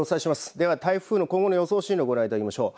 では台風の今後の予想進路ご覧いただきましょう。